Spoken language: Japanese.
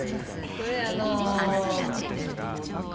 これえっと。